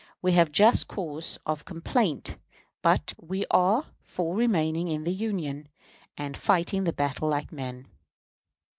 We have just cause of complaint; but we are for remaining in the Union, and fighting the battle like men."